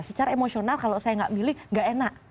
secara emosional kalau saya nggak milih gak enak